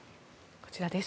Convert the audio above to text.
こちらです。